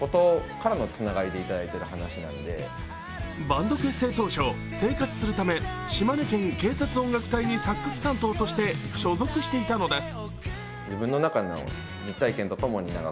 バンド結成当初、生活するため島根県警察音楽隊にサックス担当として所属していたのです。